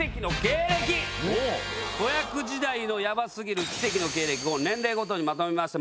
子役時代のヤバ過ぎる奇跡の経歴を年齢ごとにまとめました。